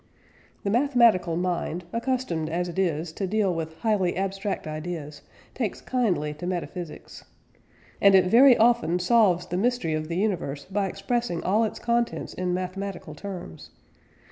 The mathematical mind, accustomed as it is to deal with highly abstract ideas, takes kindly to metaphysics. And it very often solves the mystery of the universe by expressing all its contents in mathematical terms.